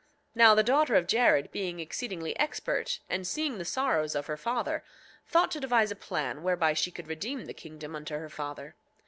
8:8 Now the daughter of Jared being exceedingly expert, and seeing the sorrows of her father, thought to devise a plan whereby she could redeem the kingdom unto her father.